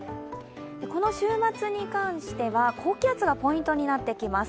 この週末に関しては、高気圧がポイントになってきます。